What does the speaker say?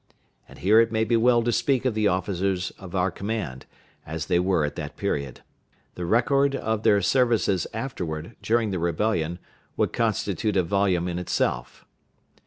And here it may be well to speak of the officers of our command, as they were at that period. The record of their services afterward, during the rebellion, would constitute a volume in itself.